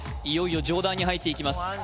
いよいよ上段に入っていきます